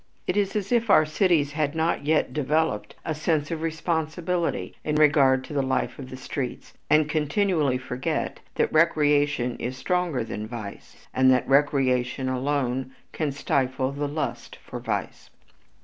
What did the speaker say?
It is as if our cities had not yet developed a sense of responsibility in regard to the life of the streets, and continually forget that recreation is stronger than vice, and that recreation alone can stifle the lust for vice.